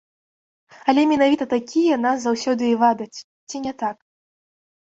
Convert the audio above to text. Але менавіта такія нас заўсёды і вабяць, ці не так?